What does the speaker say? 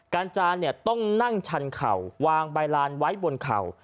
จานเนี่ยต้องนั่งชันเข่าวางใบลานไว้บนเข่า